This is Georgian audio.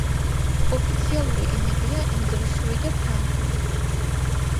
ოფიციალური ენებია ინგლისური და ფრანგული.